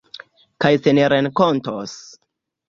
Kaj se ni renkontos.